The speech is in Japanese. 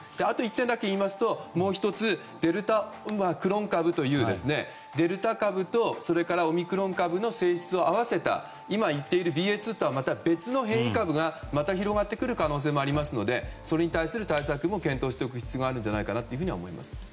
あと１点だけ言いますともう１つ、デルタクロン株というデルタ株とオミクロン株の性質を合わせた今、言っているＢＡ．２とは別の変異株がまた広がってくる可能性もありますのでそれに対する対策も検討しておく必要があると思います。